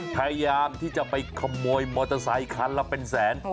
พยายามที่จะไปขโมยมอเตอร์ไซคันละเป็นแสน